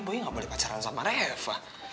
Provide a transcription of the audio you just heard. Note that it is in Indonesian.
boy gak boleh pacaran sama reva